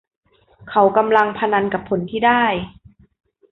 เขากำลังพนันกับผลที่ได้